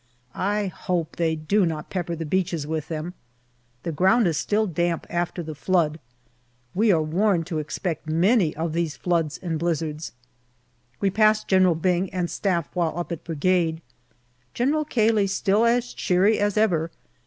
I hope they do not pepper the beaches with them. The ground is still damp after the flood. We are warned to expect many of these floods and blizzards. We pass General Byng and Staff while up at Brigade. General Cayley still as cheery as ever.